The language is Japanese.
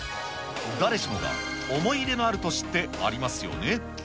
誰しもが思い入れのある年ってありますよね。